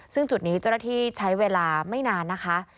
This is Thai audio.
ซึ่งจุดนี้เจ้าหน้าที่ใช้เวลาไม่นานนะคะ